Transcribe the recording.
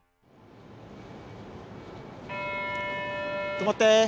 とまって。